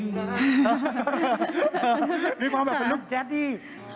มีความเป็นลูกแดดดี้